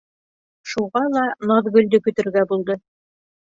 Шуға ла Наҙгөлдө көтөргә булды.